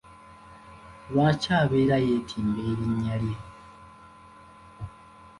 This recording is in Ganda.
Lwaki abeera yeetimba erinnya lye?